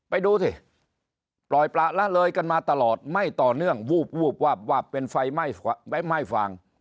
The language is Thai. ไปดูสิปล่อยประละเลยกันมาตลอดไม่ต่อเนื่องวูบวาบวาบเป็นไฟไหม้ฟาง